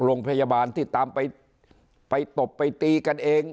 โรงพยาบาลที่ตามไปไปตบไปตีกันเอง